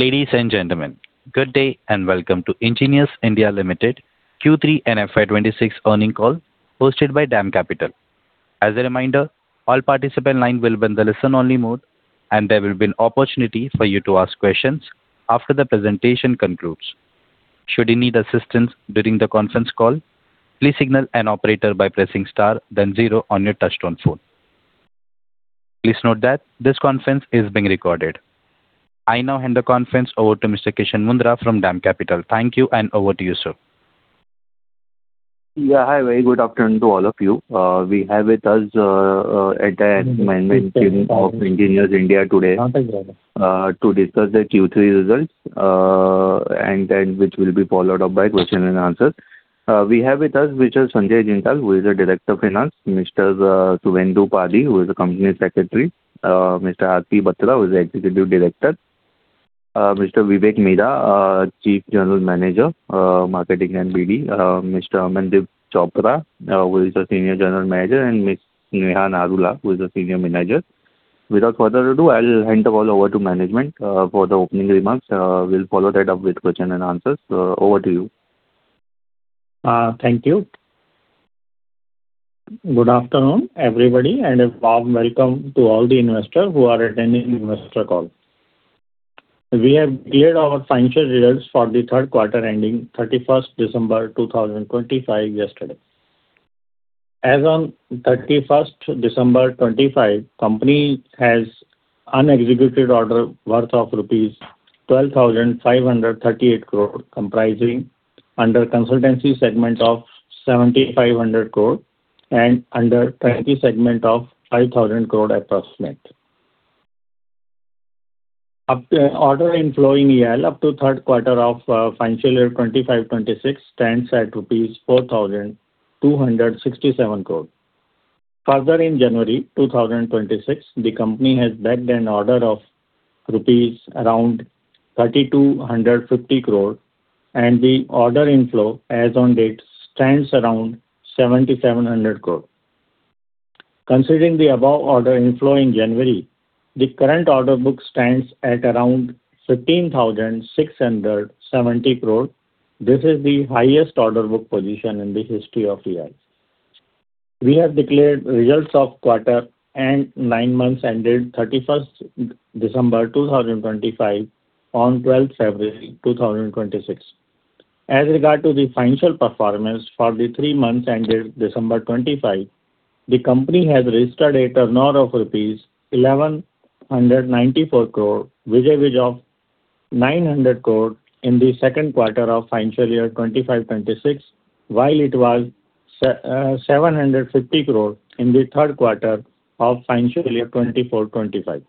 Ladies and gentlemen, good day, and welcome to Engineers India Limited Q3 and FY 2026 earnings call hosted by DAM Capital. As a reminder, all participant lines will be in the listen-only mode, and there will be an opportunity for you to ask questions after the presentation concludes. Should you need assistance during the conference call, please signal an operator by pressing star then zero on your touchtone phone. Please note that this conference is being recorded. I now hand the conference over to Mr. Kishan Mundhra from DAM Capital. Thank you, and over to you, sir. Yeah, hi. Very good afternoon to all of you. We have with us at the management team of Engineers India today to discuss the Q3 results, and then which will be followed up by question and answers. We have with us, Mr. Sanjay Jindal, who is the Director of Finance, Mr. Suvendu Padhi, who is the Company Secretary, Mr. R.P. Batra, who is the Executive Director, Mr. Vivek Midha, Chief General Manager, Marketing and BD, Mr. Amanpreet Singh Chopra, who is the Senior General Manager, and Miss Neha Narula, who is the Senior Manager. Without further ado, I'll hand the call over to management for the opening remarks. We'll follow that up with question and answers. Over to you. Thank you. Good afternoon, everybody, and a warm welcome to all the investors who are attending the investor call. We have declared our financial results for the third quarter, ending 31 December 2025 yesterday. As on 31 December 2025, company has unexecuted order worth rupees 12,538 crore, comprising under consultancy segment of 7,500 crore and under turnkey segment of 5,000 crore approximate. Order inflow in EIL up to third quarter of financial year 2025-2026 stands at INR 4,267 crore. Further, in January 2026, the company has bagged an order of rupees around 3,250 crore, and the order inflow, as on date, stands around 7,700 crore. Considering the above order inflow in January, the current order book stands at around 15,670 crore. This is the highest order book position in the history of EIL. We have declared results of quarter and nine months ended thirty-first December 2025, on twelfth February 2026. As regard to the financial performance for the three months ended December 2025, the company has registered a turnover of rupees 1,194 crore, vis-à-vis of 900 crore in the second quarter of financial year 2025-2026, while it was 750 crore in the third quarter of financial year 2024-2025.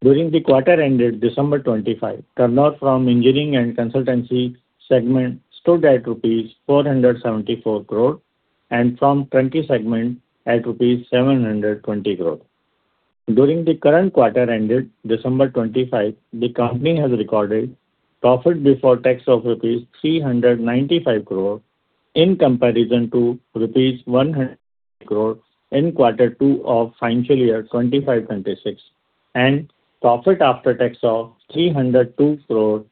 During the quarter ended December 2025, turnover from engineering and consultancy segment stood at rupees 474 crore, and from turnkey segment at rupees 720 crore. During the current quarter ended December 25, the company has recorded profit before tax of rupees 395 crore in comparison to rupees 100 crore in quarter two of financial year 2025-2026, and profit after tax of 302 crore,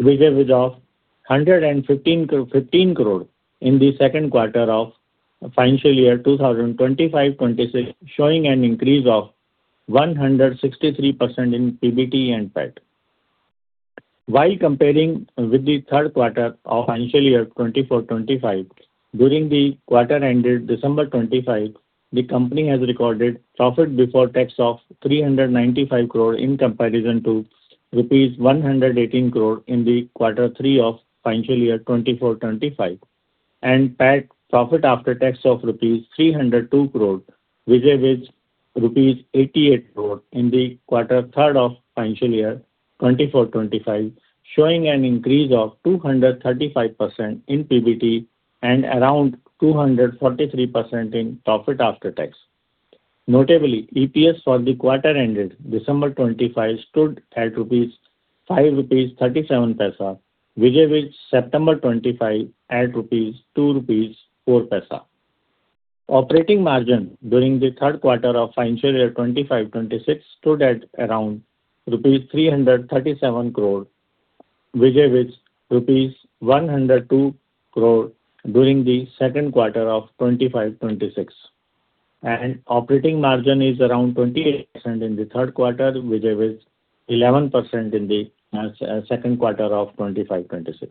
vis-à-vis 115 crore in the second quarter of financial year 2025-2026, showing an increase of 163% in PBT and PAT. While comparing with the third quarter of financial year 2024-25, during the quarter ended December 2025, the company has recorded profit before tax of 395 crore in comparison to rupees 118 crore in the quarter three of financial year 2024-25, and PAT, profit after tax, of rupees 302 crore, vis-à-vis rupees 88 crore in the quarter third of financial year 2024-25, showing an increase of 235% in PBT and around 243% in profit after tax. Notably, EPS for the quarter ended December 2025 stood at 5.37 rupees, vis-à-vis September 2025 at 2.04 rupees. Operating margin during the third quarter of financial year 2025-2026 stood at around rupees 337 crore, vis-à-vis rupees 102 crore during the second quarter of 2025-26. And operating margin is around 28% in the third quarter, vis-à-vis 11% in the second quarter of 2025-2026.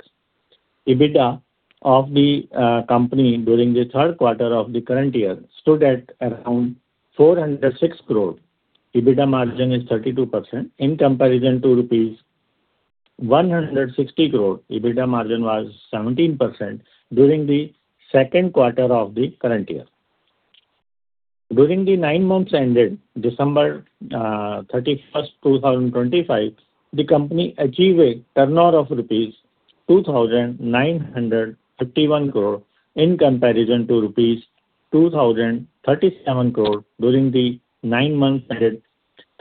EBITDA of the company during the third quarter of the current year stood at around 406 crore. EBITDA margin is 32% in comparison to rupees 160 crore. EBITDA margin was 17% during the second quarter of the current year. During the nine months ended December 31, 2025, the company achieved a turnover of rupees 2,951 crore, in comparison to rupees 2,037 crore during the nine months ended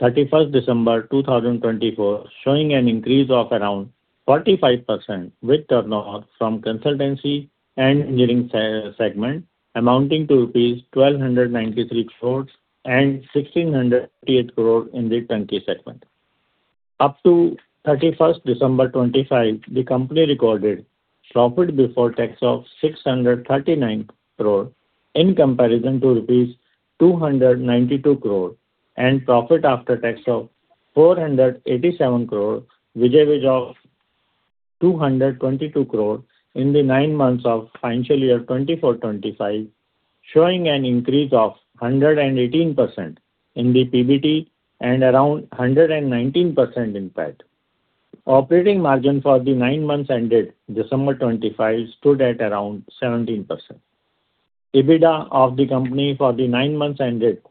December 31, 2024, showing an increase of around 45% with turnover from consultancy and engineering segment, amounting to rupees 1,293 crores and 1,600 crore in the turnkey segment. Up to December 31, 2025, the company recorded profit before tax of 639 crore, in comparison to rupees 292 crore, and profit after tax of 487 crore, which was of 222 crore in the nine months of financial year 2024/2025, showing an increase of 118% in the PBT and around 119% in PAT. Operating margin for the nine months ended December 2025 stood at around 17%. EBITDA of the company for the nine months ended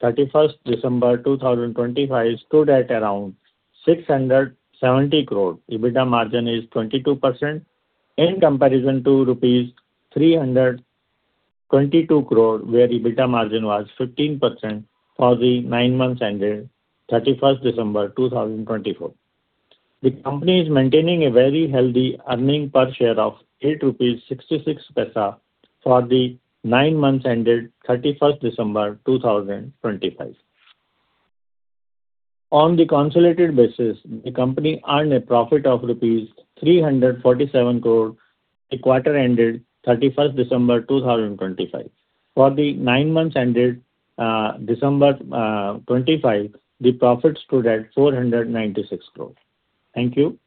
31 December 2025 stood at around 670 crore. EBITDA margin is 22%, in comparison to rupees 322 crore, where EBITDA margin was 15% for the nine months ended 31 December 2024. The company is maintaining a very healthy earning per share of 8.66 rupees for the nine months ended 31 December 2025. On the consolidated basis, the company earned a profit of rupees 347 crore, the quarter ended 31 December 2025. For the nine months ended December 2025, the profit stood at 496 crore. Thank you.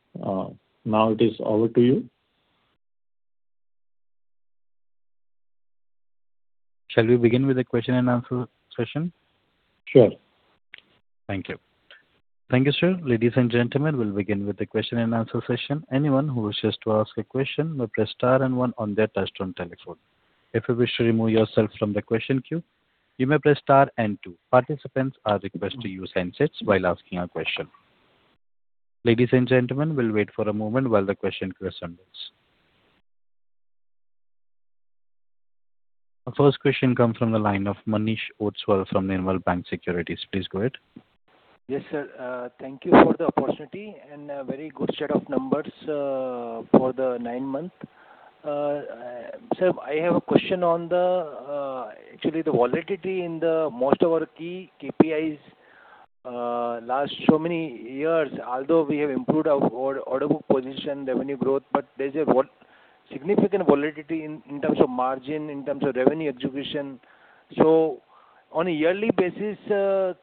Now it is over to you. Shall we begin with the question and answer session? Sure. Thank you. Thank you, sir. Ladies and gentlemen, we'll begin with the question and answer session. Anyone who wishes to ask a question may press star and one on their touchtone telephone. If you wish to remove yourself from the question queue, you may press star and two. Participants are requested to use handsets while asking a question. Ladies and gentlemen, we'll wait for a moment while the question queue assembles. Our first question comes from the line of Manish Ostwal from Nirmal Bang Securities. Please go ahead. Yes, sir. Thank you for the opportunity and a very good set of numbers for the nine months. Sir, I have a question on actually the volatility in the most of our key KPIs last so many years, although we have improved our order book position, revenue growth, but there's a significant volatility in terms of margin, in terms of revenue execution. So on a yearly basis,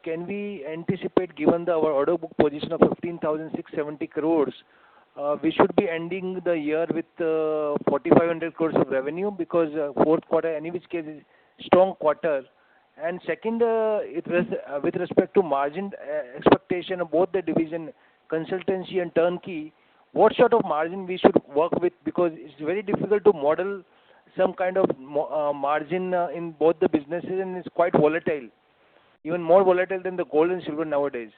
can we anticipate, given our order book position of 15,670 crores, we should be ending the year with 4,500 crores of revenue? Because fourth quarter, any which case, is strong quarter. And second, it was with respect to margin expectation of both the division, consultancy and turnkey, what sort of margin we should work with? Because it's very difficult to model some kind of margin in both the businesses, and it's quite volatile, even more volatile than the gold and silver nowadays.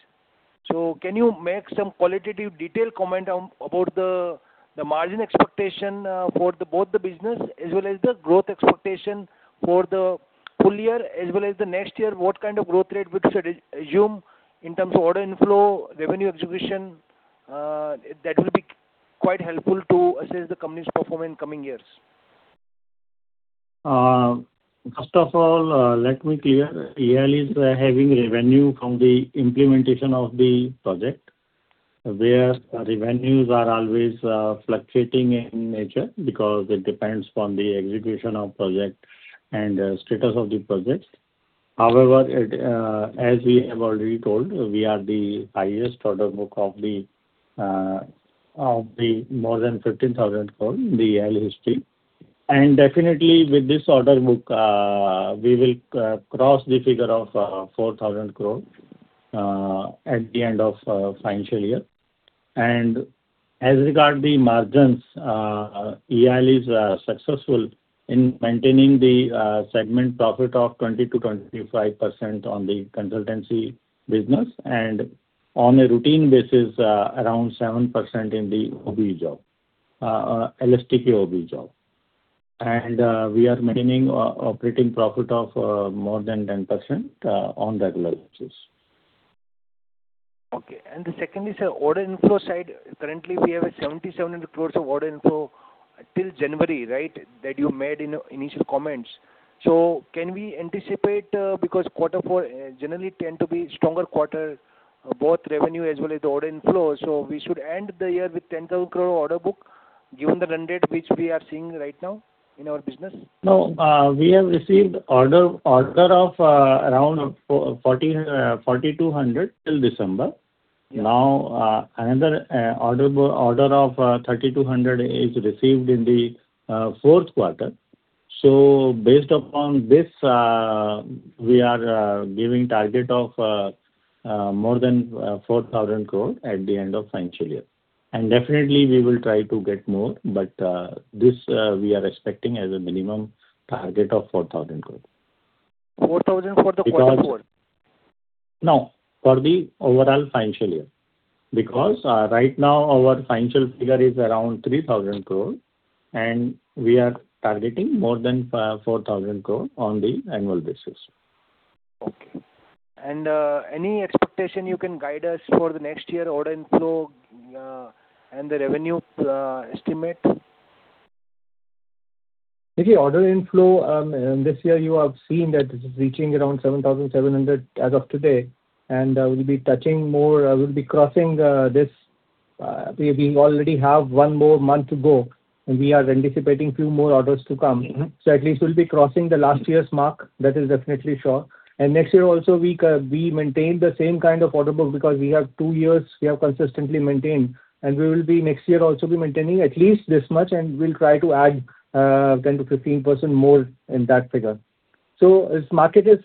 So can you make some qualitative detailed comment on about the margin expectation for both the business, as well as the growth expectation for the full year, as well as the next year? What kind of growth rate we should assume in terms of order inflow, revenue execution? That will be quite helpful to assess the company's performance in coming years. First of all, let me clear, EIL is having revenue from the implementation of the project, where revenues are always fluctuating in nature because it depends on the execution of project and the status of the projects. However, it, as we have already told, we are the highest order book of the, of the more than 15,000 crore in the EIL history. And definitely with this order book, we will cross the figure of 4,000 crore at the end of financial year. And as regard the margins, EIL is successful in maintaining the segment profit of 20%-25% on the consultancy business, and on a routine basis, around 7% in the OBE job, LSTK OBE job. We are maintaining operating profit of more than 10% on regular basis. Okay. The second is, order inflow side. Currently, we have 7,700 crore of order inflow till January, right? That you made in initial comments. So can we anticipate, because quarter four, generally tend to be stronger quarter, both revenue as well as the order inflow, so we should end the year with 10,000 crore order book, given the run rate, which we are seeing right now in our business? No, we have received order of around 4,200 till December. Now, another order book order of 3,200 is received in the fourth quarter. So based upon this, we are giving target of more than 4,000 crore at the end of financial year. And definitely we will try to get more, but this we are expecting as a minimum target of 4,000 crore. 4,000 for the quarter four? No, for the overall financial year. Because, right now our financial figure is around 3,000 crore, and we are targeting more than 4,000 crore on the annual basis. Okay. And, any expectation you can guide us for the next year order inflow, and the revenue, estimate? The order inflow, this year you have seen that it is reaching around 7,700 as of today, and we'll be touching more, we'll be crossing this, we already have one more month to go, and we are anticipating few more orders to come. Mm-hmm. So at least we'll be crossing the last year's mark, that is definitely sure. And next year also, we maintain the same kind of order book, because we have two years we have consistently maintained, and we will be next year also be maintaining at least this much, and we'll try to add 10%-15% more in that figure. So this market is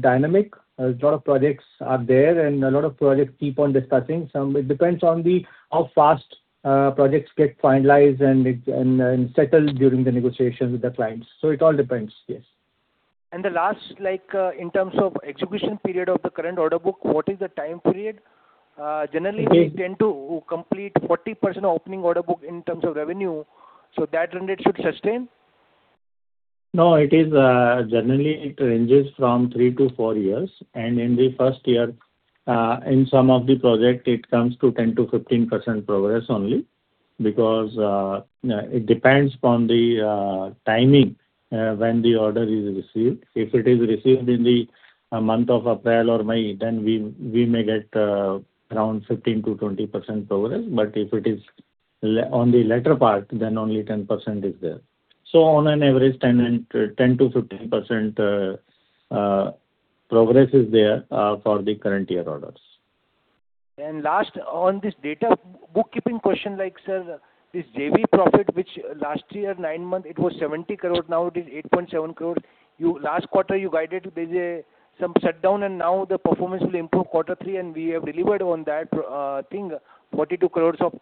dynamic. A lot of projects are there, and a lot of projects keep on discussing. Some, it depends on the how fast projects get finalized and settled during the negotiations with the clients. So it all depends, yes. The last, like, in terms of execution period of the current order book, what is the time period? Generally- Okay We tend to complete 40% of opening order book in terms of revenue, so that trend it should sustain? No, it is, generally it ranges from 3-4 years, and in the first year, in some of the project, it comes to 10%-15% progress only. Because, it depends on the, timing, when the order is received. If it is received in the, month of April or May, then we, we may get, around 15%-20% progress, but if it is on the latter part, then only 10% is there. So on an average, ten and, 10%-15%, progress is there, for the current year orders. And last, on this data, bookkeeping question, like, sir, this JV profit, which last year, nine months, it was 70 crore, now it is 8.7 crore. You, last quarter, you guided there's a some shutdown, and now the performance will improve quarter three, and we have delivered on that thing, 42 crores of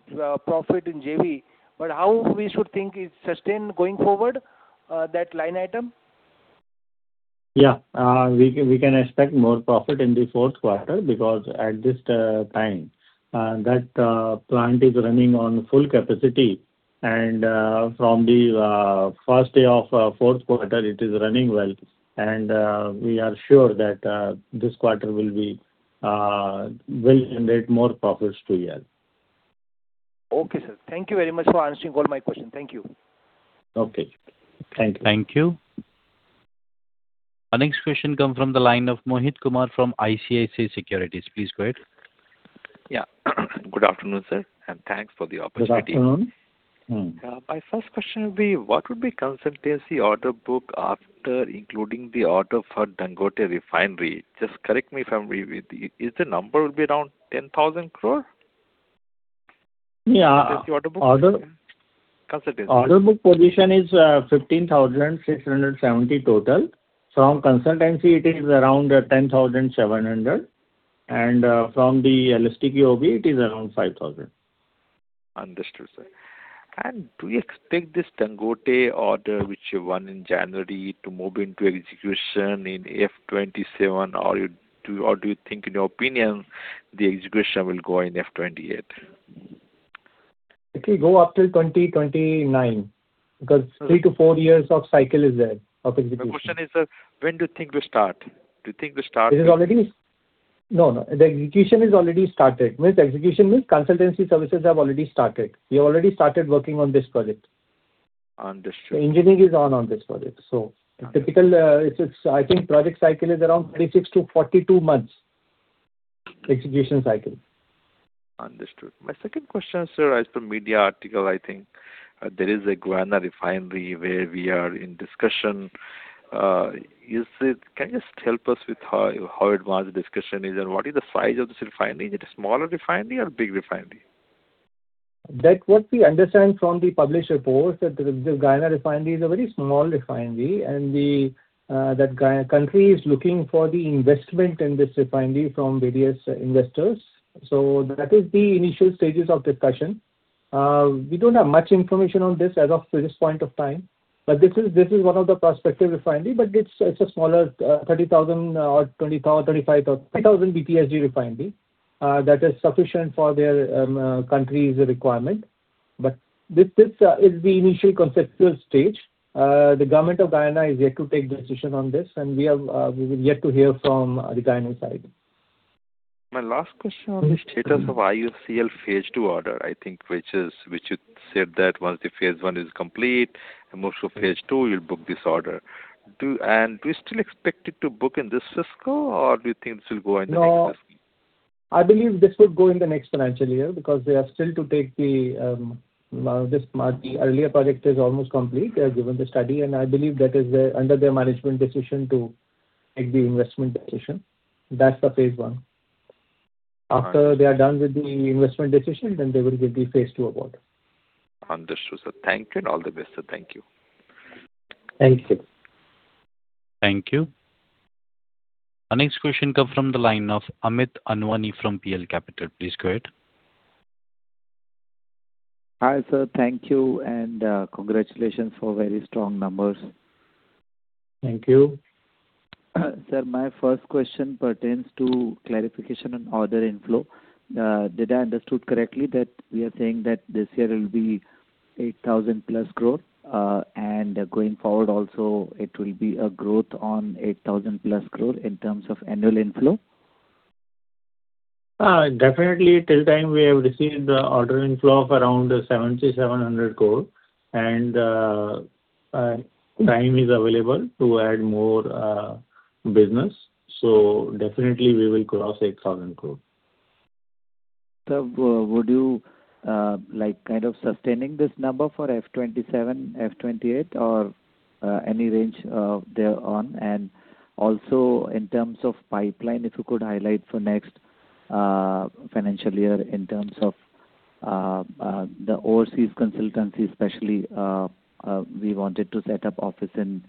profit in JV. But how we should think it's sustained going forward, that line item? Yeah. We can expect more profit in the fourth quarter, because at this time, that plant is running on full capacity. And from the first day of fourth quarter, it is running well. And we are sure that this quarter will generate more profits to us. Okay, sir. Thank you very much for answering all my questions. Thank you. Okay. Thank you. Thank you. Our next question comes from the line of Mohit Kumar from ICICI Securities. Please go ahead. Yeah. Good afternoon, sir, and thanks for the opportunity. Good afternoon. My first question will be: What would be consultancy order book after including the order for Dangote Refinery? Just correct me if I'm wrong, is the number will be around 10,000 crore? Yeah. The order book? Consultancy. Order book position is 15,670 total. From consultancy, it is around 10,700, and from the LSTK OBE, it is around 5,000. Understood, sir. And do you expect this Dangote order, which you won in January, to move into execution in F 27, or you, or do you think, in your opinion, the execution will go in F 28? It will go up till 2029, because 3-4 years of cycle is there, of execution. My question is, when do you think to start? No, no, the execution is already started. Means execution means consultancy services have already started. We have already started working on this project. Understood. The engineering is on this project. So the typical project cycle is around 36-42 months, execution cycle. Understood. My second question, sir, as per media article, I think, there is a Guyana refinery where we are in discussion. Is it... Can you just help us with how advanced the discussion is, and what is the size of this refinery? Is it a smaller refinery or big refinery? That what we understand from the published report, that the Guyana refinery is a very small refinery, and that Guyana country is looking for the investment in this refinery from various investors. So that is the initial stages of discussion. We don't have much information on this as of this point of time, but this is, this is one of the prospective refinery, but it's, it's a smaller, 30,000 or 20,000, 35,000, 30,000 BPSD refinery. That is sufficient for their country's requirement. But this, this, is the initial conceptual stage. The government of Guyana is yet to take decision on this, and we have, we will yet to hear from the Guyana side. My last question on the status of IOCL phase two order, I think, which is, which you said that once the phase one is complete, and most of phase two, you'll book this order. And do you still expect it to book in this fiscal, or do you think this will go in the next fiscal? No. I believe this will go in the next financial year, because they have still to take this mark. The earlier project is almost complete. They have given the study, and I believe that is under their management decision to make the investment decision. That's for phase one. All right. After they are done with the investment decision, then they will give the phase two award. Understood, sir. Thank you, and all the best, sir. Thank you. Thank you. Thank you. Our next question come from the line of Amit Anwani from PL Capital. Please go ahead. Hi, sir. Thank you, and congratulations for very strong numbers. Thank you. Sir, my first question pertains to clarification on order inflow. Did I understood correctly that we are saying that this year will be 8,000+ growth, and going forward also, it will be a growth on 8,000+ growth in terms of annual inflow? Definitely. Till time, we have received the order inflow of around 7,700 crore. Time is available to add more business. So definitely we will cross 8,000 crore. Sir, would you, like, kind of sustaining this number for F-27, F-28, or any range thereon? And also in terms of pipeline, if you could highlight for next financial year in terms of the overseas consultancy, especially we wanted to set up office in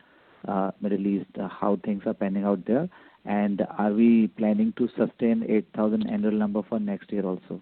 Middle East. How things are panning out there, and are we planning to sustain 8,000 annual number for next year also?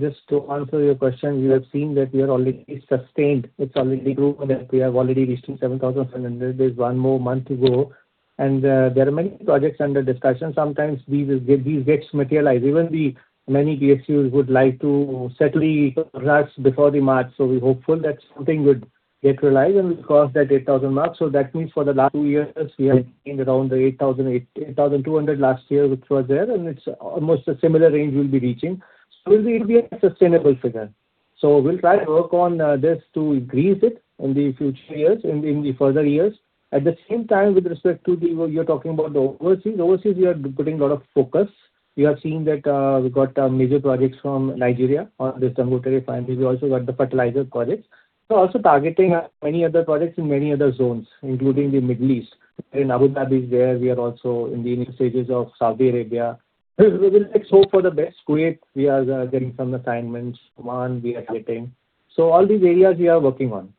Just to answer your question, you have seen that we are already sustained. It's already grown, and we have already reached 7,700. There's one more month to go, and there are many projects under discussion. Sometimes these, these gets materialized. Even the many DSU would like to settle the racks before the March, so we're hopeful that something would get realized, and we'll cross that 8,000 mark. So that means for the last two years, we have been around the 8,000, 8, 8,200 last year, which was there, and it's almost a similar range we'll be reaching. So it'll be a sustainable figure. So we'll try to work on this to increase it in the future years and in the further years. At the same time, with respect to the... you're talking about the overseas. Overseas, we are putting a lot of focus. We have seen that, we got major projects from Nigeria on this Dangote Refinery. We also got the fertilizer projects. We're also targeting many other projects in many other zones, including the Middle East. In Abu Dhabi is there. We are also in the initial stages of Saudi Arabia. We will like so for the best. Kuwait, we are getting some assignments. Oman, we are getting. So all these areas we are working on.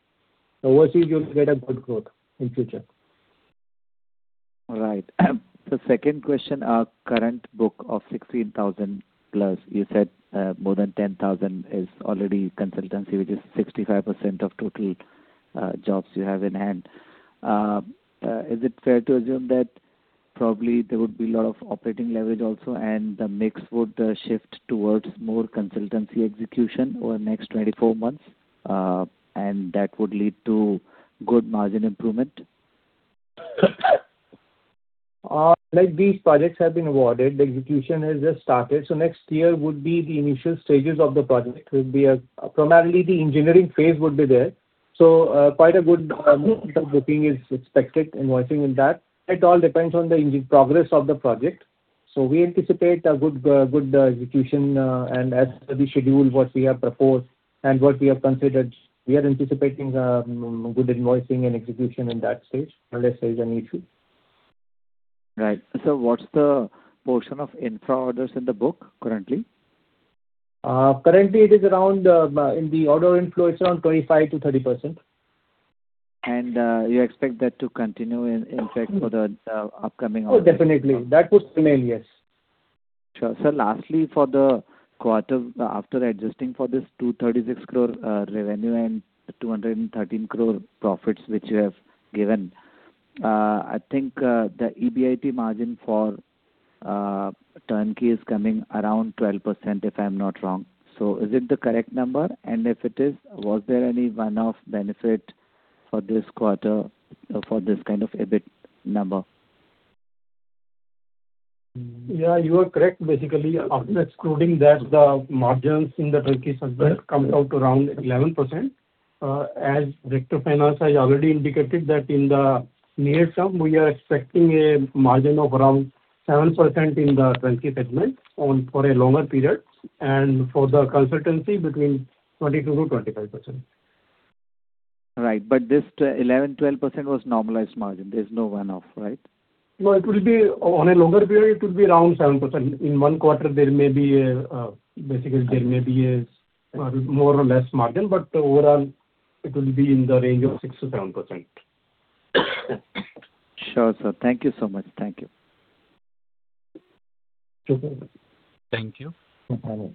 Overseas, you'll get a good growth in future. All right. The second question, our current book of 16,000 plus, you said, more than 10,000 is already consultancy, which is 65% of total, jobs you have in hand. Is it fair to assume that probably there would be a lot of operating leverage also, and the mix would shift towards more consultancy execution over the next 24 months, and that would lead to good margin improvement? Like these projects have been awarded, the execution has just started, so next year would be the initial stages of the project. It will be primarily, the engineering phase would be there. So, quite a good booking is expected, invoicing in that. It all depends on the progress of the project. So we anticipate a good execution, and as per the schedule, what we have proposed and what we have considered, we are anticipating good invoicing and execution in that stage, unless there is an issue. Right. So what's the portion of infra orders in the book currently? Currently, it is around, in the order inflow, it's around 25%-30%. And, you expect that to continue, in fact, for the upcoming- Oh, definitely. That would remain, yes. Sure. Sir, lastly, for the quarter, after adjusting for this 236 crore revenue and 213 crore profits, which you have given, I think, the EBIT margin for turnkey is coming around 12%, if I'm not wrong. So is it the correct number? And if it is, was there any one-off benefit for this quarter for this kind of EBIT number? Yeah, you are correct. Basically, after excluding that, the margins in the turnkey segment comes out to around 11%. As Director Finance has already indicated that in the near term, we are expecting a margin of around 7% in the turnkey segment on for a longer period, and for the consultancy, between 22%-25%. Right. But this 10, 11, 12% was normalized margin. There's no one-off, right? No, it will be on a longer period, it will be around 7%. In one quarter, there may be, basically, there may be a more or less margin, but overall, it will be in the range of 6%-7%. Sure, sir. Thank you so much. Thank you. Thank you. Thank you. Bye-bye.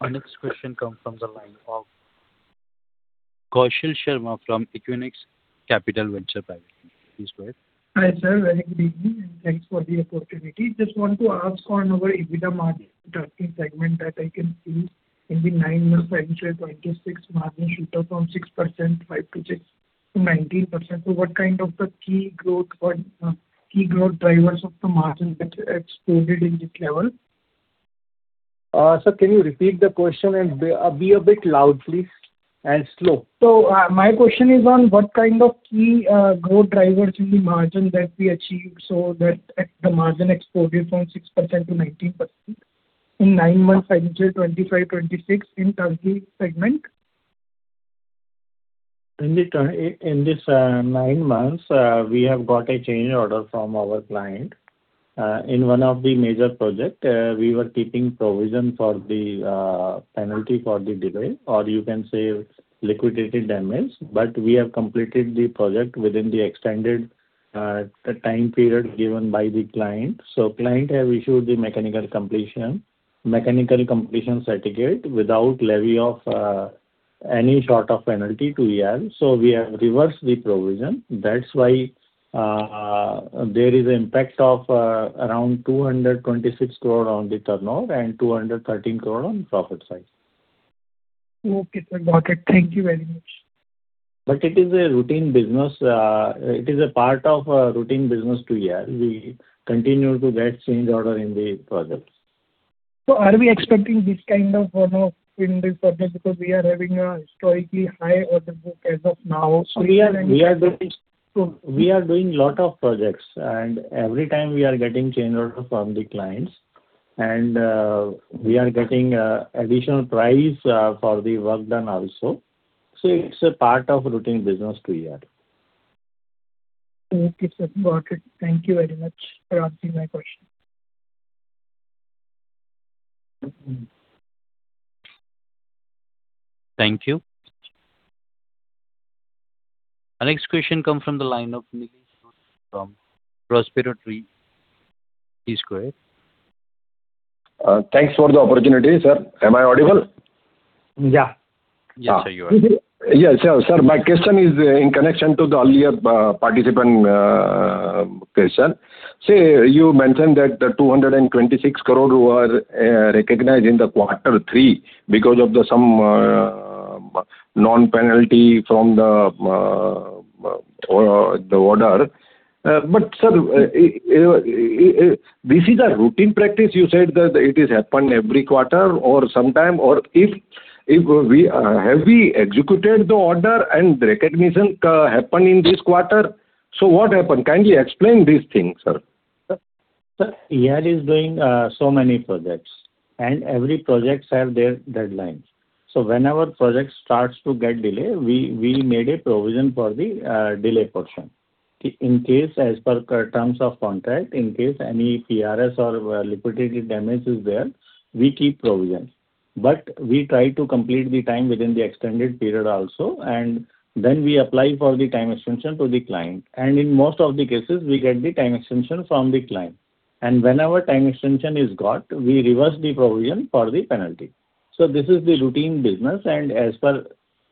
Our next question comes from the line of Kaushal Sharma from Equinox Capital Venture Partners. Please go ahead. Hi, sir, very good evening, and thanks for the opportunity. Just want to ask on our EBITDA margin turnkey segment that I can see in the nine months financial 26, margin shoot up from 6%, 5 to 6 to 19%. So what kind of the key growth or key growth drivers of the margin that exploded in this level? Sir, can you repeat the question and be a bit loud, please, and slow? So, my question is on what kind of key growth drivers in the margin that we achieved, so that the margin exploded from 6%-19% in nine months, financial 2025, 2026, in turnkey segment? In this nine months, we have got a change order from our client. In one of the major project, we were keeping provision for the penalty for the delay, or you can say, liquidated damages, but we have completed the project within the extended time period given by the client. So client have issued the mechanical completion certificate without levy of any sort of penalty to EIL. So we have reversed the provision. That's why, there is an impact of around 226 crore on the turnover and 213 crore on profit side. Okay, sir, got it. Thank you very much. It is a routine business. It is a part of a routine business to EIL. We continue to get change order in the projects. So are we expecting this kind of, you know, in this project? Because we are having a historically high order book as of now. We are doing- So- We are doing a lot of projects, and every time we are getting change order from the clients, and we are getting additional price for the work done also. So it's a part of routine business to EIL. Okay, sir, got it. Thank you very much for answering my question. Thank you. Our next question come from the line of. Thanks for the opportunity, sir. Am I audible? Yeah. Yes, sir, you are. Yes. Sir, my question is in connection to the earlier participant question. See, you mentioned that the 226 crore were recognized in quarter three because of the some non-penalty from the order. But, sir, this is a routine practice. You said that it is happen every quarter or sometime, or if we have executed the order and the recognition happen in this quarter? So what happened? Can you explain these things, sir? Sir, EIL is doing so many projects, and every projects have their deadlines. So whenever project starts to get delayed, we made a provision for the delay portion. In case, as per terms of contract, in case any PRS or liquidated damage is there, we keep provisions. But we try to complete the time within the extended period also, and then we apply for the time extension to the client. And in most of the cases, we get the time extension from the client. And whenever time extension is got, we reverse the provision for the penalty. So this is the routine business, and as per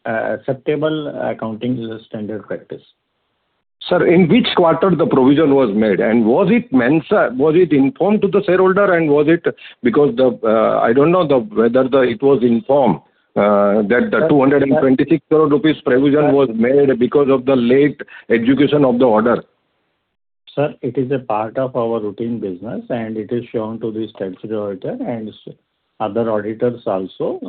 acceptable accounting standard practice. Sir, in which quarter the provision was made? And was it mentioned? Was it informed to the shareholder, and was it... Because I don't know whether it was informed that the 226 crore rupees provision was made because of the late execution of the order. Sir, it is a part of our routine business, and it is shown to the statutory auditor and other auditors also.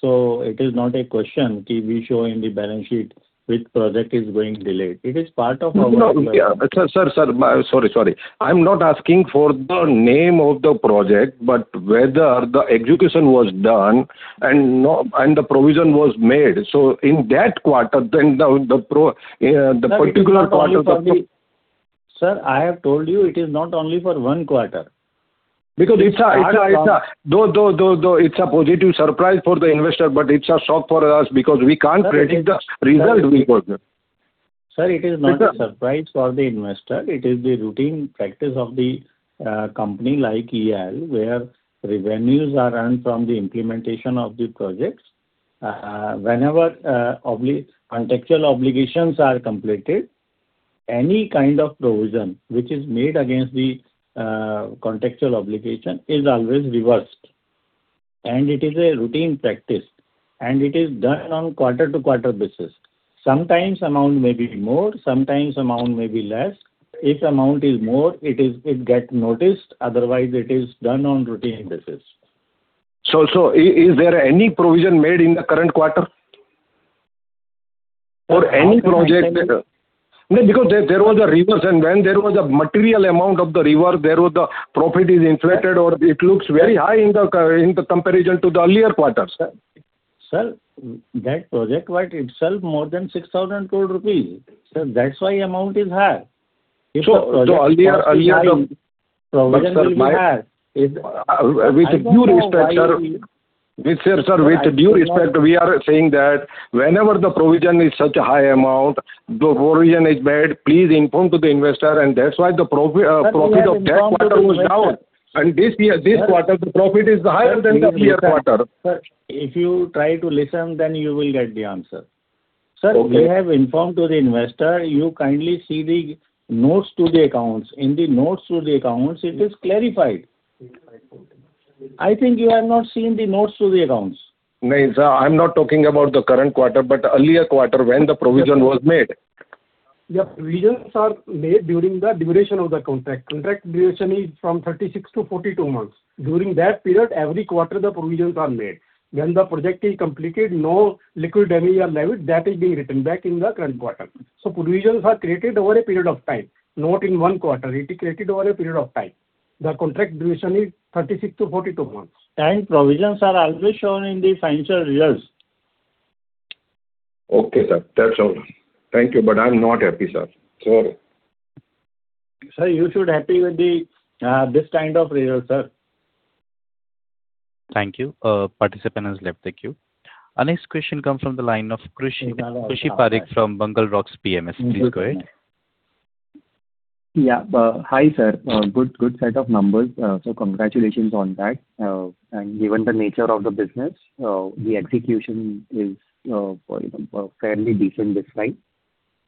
So, it is not a question that we show in the balance sheet which project is going delayed. It is part of our business. No, yeah. Sir, sir, sir, sorry, sorry. I'm not asking for the name of the project, but whether the execution was done and no, and the provision was made. So in that quarter, then the pro, the particular quarter of the- Sir, I have told you, it is not only for one quarter. Because it's a, though it's a positive surprise for the investor, but it's a shock for us because we can't predict the result we got. Sir, it is not a surprise for the investor. It is the routine practice of the company like EIL, where revenues are earned from the implementation of the projects. Whenever contractual obligations are completed, any kind of provision which is made against the contractual obligation is always reversed, and it is a routine practice, and it is done on quarter-to-quarter basis. Sometimes amount may be more, sometimes amount may be less. If amount is more, it gets noticed, otherwise it is done on routine basis. So, is there any provision made in the current quarter? For any project? No, because there was a reverse, and when there was a material amount of the reverse, the profit is inflated, or it looks very high in the comparison to the earlier quarters. Sir, sir, that project was itself more than 6,000 crore rupees. Sir, that's why amount is high. So earlier the- Provision will be high. With due respect, sir, we are saying that whenever the provision is such a high amount, the provision is made, please inform to the investor, and that's why the profit of that quarter was down. Sir, we have informed the investor. This year, this quarter, the profit is higher than the previous quarter. Sir, if you try to listen, then you will get the answer. Okay. Sir, we have informed to the investor. You kindly see the notes to the accounts. In the notes to the accounts, it is clarified. I think you have not seen the notes to the accounts. No, sir, I'm not talking about the current quarter, but earlier quarter when the provision was made. The provisions are made during the duration of the contract. Contract duration is from 36 to 42 months. During that period, every quarter, the provisions are made. When the project is completed, no liquidated damages are levied, that is being written back in the current quarter. So provisions are created over a period of time, not in one quarter. It is created over a period of time. The contract duration is 36 to 42 months. Provisions are always shown in the financial results. Okay, sir. That's all. Thank you, but I'm not happy, sir. Sorry. Sir, you should happy with this kind of result, sir. Thank you. Participant has left. Thank you. Our next question comes from the line of Krushi, Krushi Parekh from BugleRock PMS. Please go ahead. Yeah. Hi, sir. Good, good set of numbers, so congratulations on that. And given the nature of the business, the execution is fairly decent this time.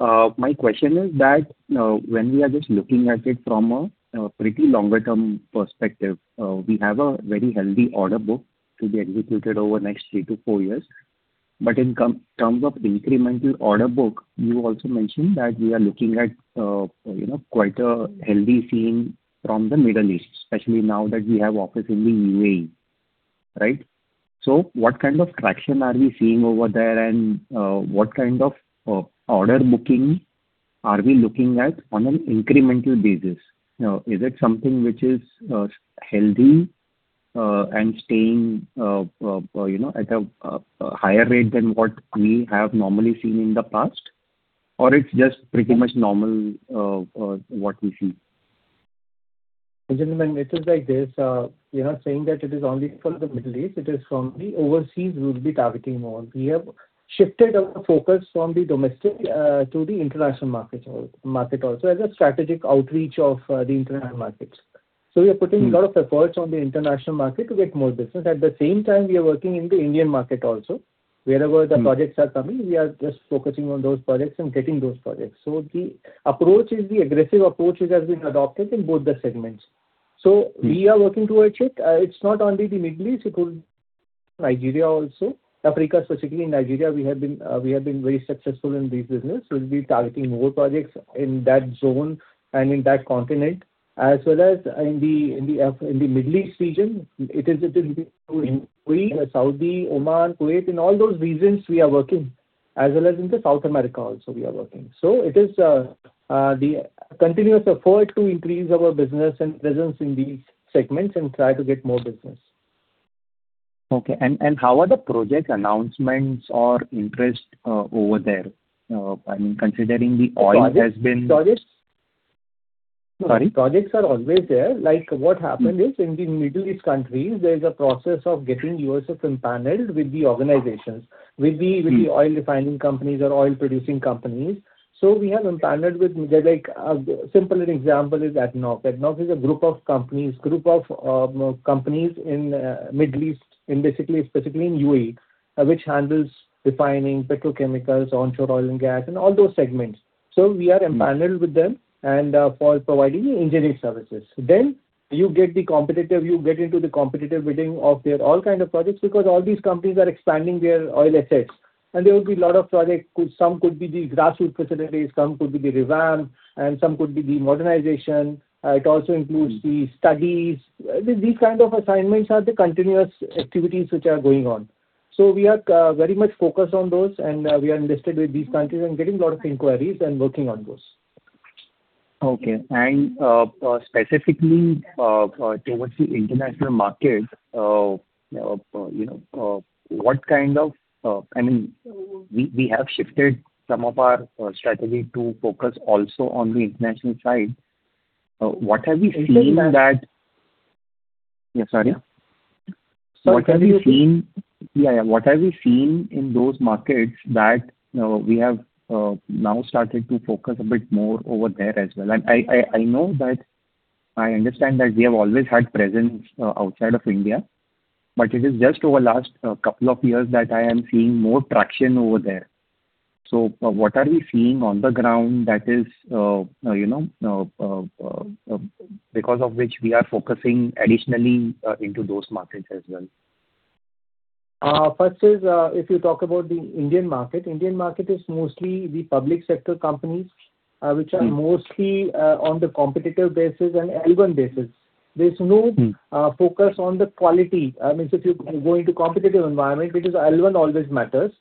My question is that, when we are just looking at it from a pretty longer term perspective, we have a very healthy order book to be executed over the next 3-4 years. But in terms of incremental order book, you also mentioned that we are looking at, you know, quite a healthy scene from the Middle East, especially now that we have office in the UAE, right? So what kind of traction are we seeing over there, and what kind of order booking are we looking at on an incremental basis? Now, is it something which is healthy and staying, you know, at a higher rate than what we have normally seen in the past? Or it's just pretty much normal, what we see. Gentlemen, it is like this. We are not saying that it is only from the Middle East, it is from the overseas we will be targeting more. We have shifted our focus from the domestic to the international market, market also as a strategic outreach of the international markets. So we are putting a lot of efforts on the international market to get more business. At the same time, we are working in the Indian market also. Wherever the projects are coming, we are just focusing on those projects and getting those projects. So the approach is the aggressive approach which has been adopted in both the segments. So we are working towards it. It's not only the Middle East, it could Nigeria also. Africa, specifically in Nigeria, we have been very successful in this business. We'll be targeting more projects in that zone and in that continent, as well as in the Middle East region. It is between Saudi, Oman, Kuwait, in all those regions we are working, as well as in South America also, we are working. So it is the continuous effort to increase our business and presence in these segments and try to get more business. Okay. And how are the project announcements or interest over there? I mean, considering the oil has been- Projects. Sorry? Projects are always there. Like, what happened is, in the Middle East countries, there is a process of getting yourself empaneled with the organizations, with the- Mm-hmm. With the oil refining companies or oil producing companies. So we have empaneled with them. Like, a simple example is ADNOC. ADNOC is a group of companies, group of companies in Middle East, in basically, specifically in UAE, which handles refining petrochemicals, onshore oil and gas, and all those segments. So we are empaneled with them, and for providing engineering services. Then you get the competitive, you get into the competitive bidding of their all kind of projects, because all these companies are expanding their oil assets, and there will be a lot of projects. Some could be the grassroot facilities, some could be the revamp, and some could be the modernization. It also includes the studies. These kind of assignments are the continuous activities which are going on. We are very much focused on those, and we are enlisted with these countries and getting a lot of inquiries and working on those. Okay. And, specifically, towards the international market, you know, what kind of... I mean, we, we have shifted some of our strategy to focus also on the international side. What have you seen in that- Yes, sorry. What have you seen...? Yeah, yeah. What have you seen in those markets that we have now started to focus a bit more over there as well? And I know that I understand that we have always had presence outside of India, but it is just over the last couple of years that I am seeing more traction over there. So what are we seeing on the ground that is you know because of which we are focusing additionally into those markets as well? First is, if you talk about the Indian market, Indian market is mostly the public sector companies, which are mostly on the competitive basis and L1 basis. There's no- Mm. Focus on the quality. I mean, if you go into competitive environment, because L1 always matters.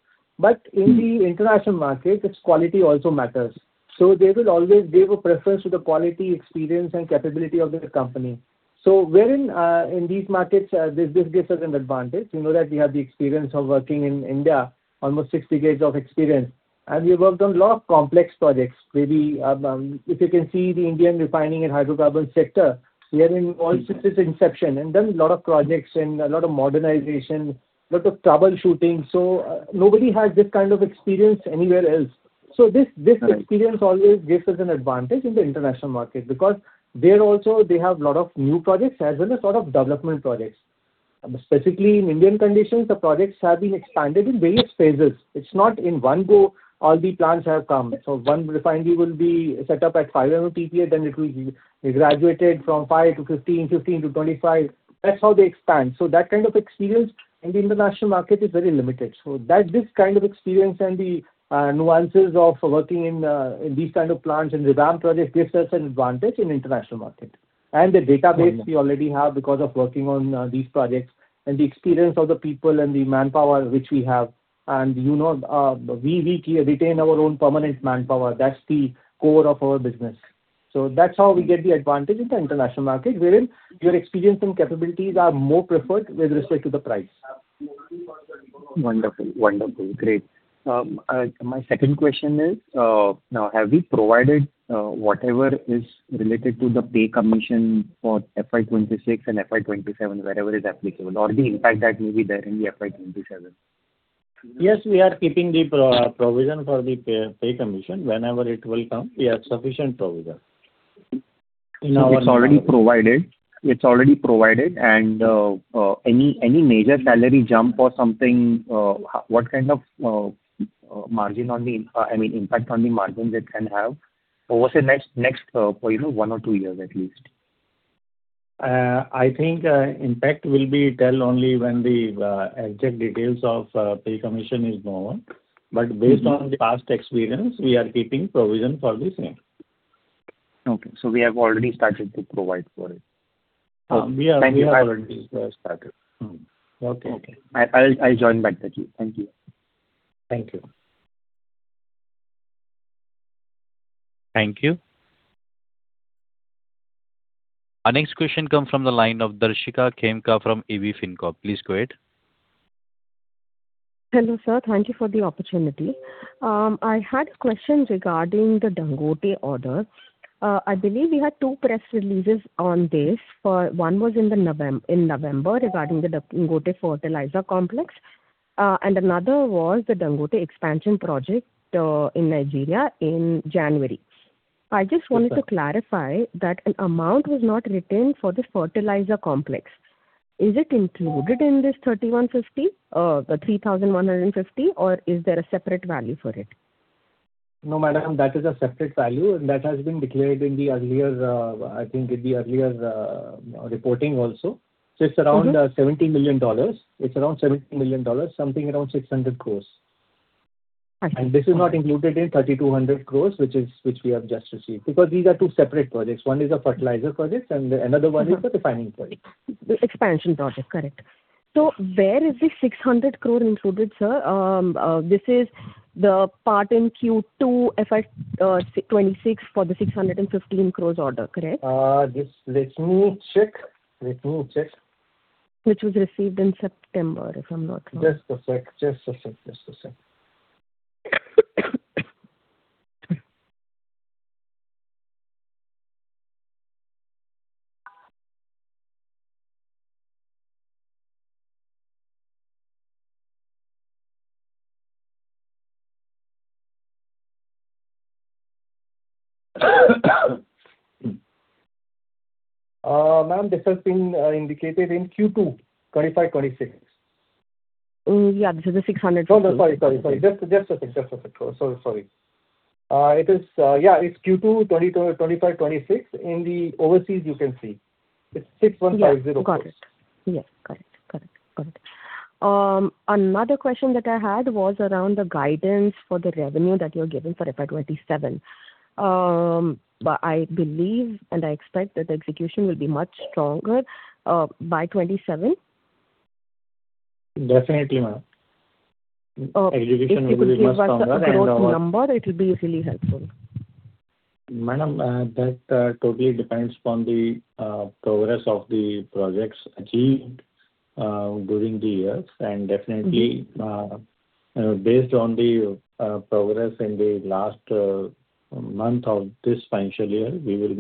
But in the international market, it's quality also matters. So they will always give a preference to the quality, experience, and capability of the company. So wherein, in these markets, this gives us an advantage. You know, that we have the experience of working in India, almost six decades of experience, and we worked on a lot of complex projects. Maybe, if you can see the Indian refining and hydrocarbon sector, we are in all stages inception, and done a lot of projects and a lot of modernization, lot of troubleshooting. So nobody has this kind of experience anywhere else. So this, this experience always gives us an advantage in the international market, because there also they have a lot of new projects as well as a lot of development projects. Specifically, in Indian conditions, the projects have been expanded in various phases. It's not in one go, all the plants have come. So one refinery will be set up at 5 MMTPA, then it will be graduated from 5-15, 15-25. That's how they expand. So that kind of experience in the international market is very limited. So that, this kind of experience and the nuances of working in in these kind of plants and revamp projects gives us an advantage in international market. The database we already have because of working on these projects, and the experience of the people and the manpower which we have, and, you know, we retain our own permanent manpower. That's the core of our business. So that's how we get the advantage in the international market, wherein your experience and capabilities are more preferred with respect to the price. Wonderful. Wonderful. Great. My second question is, now, have we provided, whatever is related to the pay commission for FY 2026 and FY 2027, wherever is applicable, or the impact that may be there in the FY 2027? Yes, we are keeping the provision for the pay commission. Whenever it will come, we have sufficient provision in our- It's already provided. It's already provided, and any major salary jump or something, what kind of margin on the, I mean, impact on the margin it can have over the next, next, you know, one or two years at least? I think, impact will be felt only when the exact details of Pay Commission is known. Mm-hmm. But based on the past experience, we are keeping provision for the same. Okay, so we have already started to provide for it. We are- Thank you. We have already started. Mm-hmm. Okay. Okay. I'll join back with you. Thank you. Thank you. Thank you. Our next question comes from the line of Darshika Khemka from AV FINCORP. Please go ahead. Hello, sir. Thank you for the opportunity. I had a question regarding the Dangote order. I believe you had two press releases on this. One was in November regarding the Dangote Fertilizer Complex, and another was the Dangote expansion project, in Nigeria in January. Yes, ma'am. I just wanted to clarify that an amount was not retained for the fertilizer complex. Is it included in this 3,150, the 3,150, or is there a separate value for it? No, madam, that is a separate value, and that has been declared in the earlier, I think in the earlier, reporting also. Mm-hmm. So it's around $70 million. It's around $70 million, something around 600 crore. Okay. This is not included in 3,200 crore, which is, which we have just received. Because these are two separate projects. One is a fertilizer project, and another one is a refining project. The expansion project, correct. So where is the 600 crore included, sir? This is the part in Q2 FY26, for the 615 crore order, correct? Just let me check. Let me check. Which was received in September, if I'm not wrong. Just a sec, just a sec, just a sec. Ma'am, this has been indicated in Q2, 25, 26. this is the 600- Oh, no, sorry, sorry, sorry. Just, just a sec, just a sec. So sorry. It is, yeah, it's Q2 2025-2026. In the overseas, you can see. It's 6,150. Yeah, got it. Yes, got it. Got it, got it. Another question that I had was around the guidance for the revenue that you're giving for FY 2027. But I believe and I expect that the execution will be much stronger by 2027. Definitely, ma'am. Uh- Execution will be much stronger and our- If you give us a growth number, it'll be really helpful. Madam, that totally depends on the progress of the projects achieved during the years. Mm-hmm. Definitely, based on the progress in the last month of this financial year, we will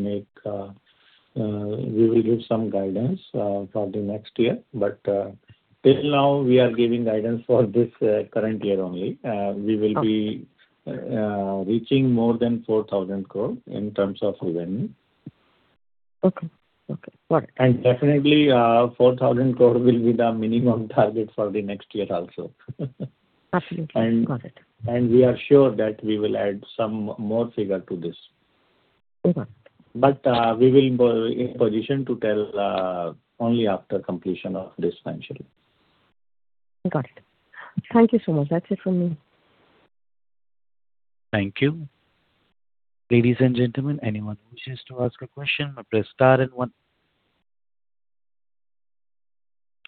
give some guidance for the next year. Till now, we are giving guidance for this current year only. Okay. We will be reaching more than 4,000 crore in terms of revenue. Okay, okay. Got it. Definitely, 4,000 crore will be the minimum target for the next year also. Absolutely. And- Got it. We are sure that we will add some more figures to this. Okay. We will be in position to tell only after completion of this financial year. Got it. Thank you so much. That's it from me. Thank you. Ladies and gentlemen, anyone who wishes to ask a question, press star and one.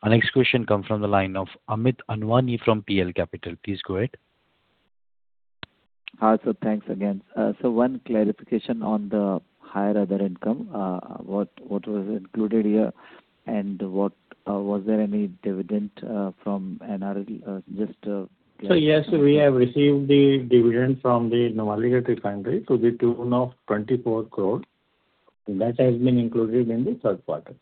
Our next question come from the line of Amit Anwani from PL Capital. Please go ahead. Hi, sir. Thanks again. One clarification on the higher other income. What, what was included here, and what... was there any dividend from NRL, just- Yes, we have received the dividend from the Numaligarh Refinery to the tune of 24 crore, and that has been included in the third quarter.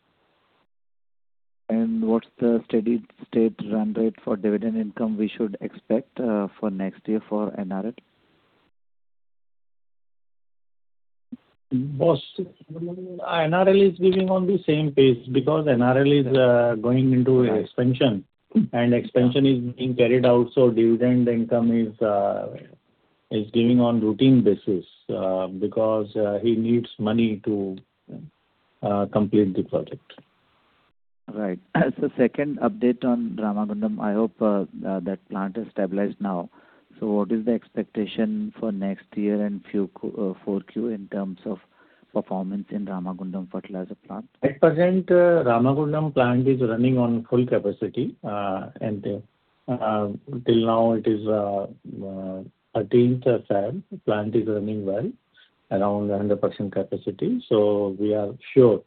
What's the steady state run rate for dividend income we should expect, for next year for NRL? Boss, NRL is giving on the same pace because NRL is going into expansion, and expansion is being carried out, so dividend income is giving on routine basis because he needs money to complete the project. Right. As the second update on Ramagundam, I hope that plant is stabilized now. So what is the expectation for next year and four Q in terms of performance in Ramagundam Fertilizer Plant? At present, Ramagundam plant is running on full capacity, and till now it is 13%. The plant is running well, around 100% capacity. So we are sure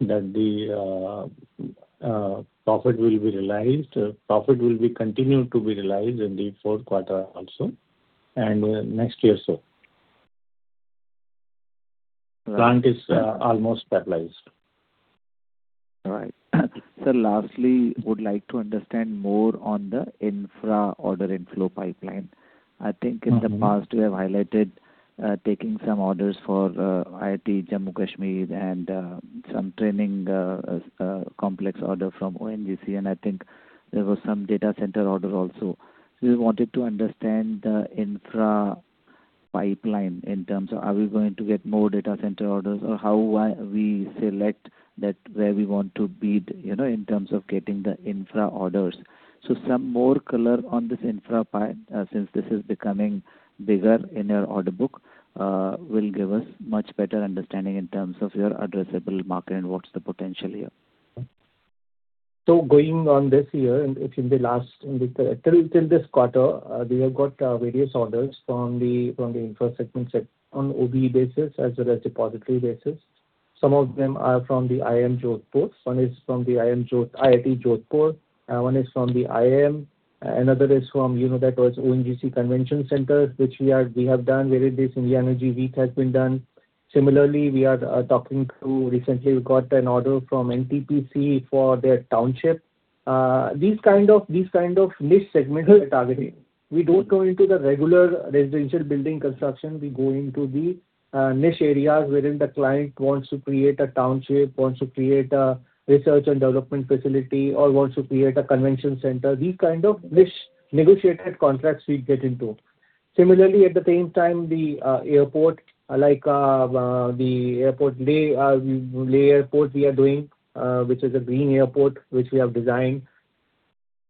that the profit will be realized, profit will be continued to be realized in the fourth quarter also, and next year, so. Plant is almost stabilized. Right. Sir, lastly, would like to understand more on the infra order inflow pipeline. I think in the past you have highlighted taking some orders for IIT Jammu-Kashmir and some training complex order from ONGC, and I think there was some data center order also. We wanted to understand the infra pipeline in terms of are we going to get more data center orders, or how, why we select that, where we want to be, you know, in terms of getting the infra orders. So some more color on this infra pipe, since this is becoming bigger in your order book, will give us much better understanding in terms of your addressable market and what's the potential here. So going on this year, and in the last till this quarter, we have got various orders from the infra segment set on OBE basis as well as depository basis. Some of them are from the IIM Jodhpur. One is from the IIM Jodhpur—IIT Jodhpur, one is from the IIM. Another is from, you know, that was ONGC Convention Center, which we have done, where this India Energy Week has been done. Similarly, we are talking to... Recently, we got an order from NTPC for their township. These kind of niche segments we are targeting. We don't go into the regular residential building construction. We go into the niche areas wherein the client wants to create a township, wants to create a research and development facility, or wants to create a convention center. These kind of niche negotiated contracts we get into. Similarly, at the same time, the airport, like the Leh airport we are doing, which is a green airport, which we have designed.